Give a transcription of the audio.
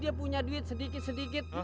dia punya duit sedikit sedikit